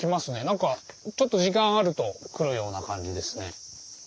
何かちょっと時間あると来るような感じですね。